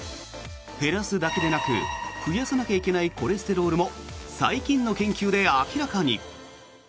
減らすだけでなく増やさなきゃいけないコレステロールも最近の研究で明らかに。